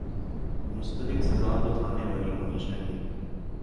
مستحق سزا تو تھانے والی ہونی چاہیے۔